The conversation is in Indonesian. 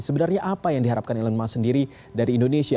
sebenarnya apa yang diharapkan elon musk sendiri dari indonesia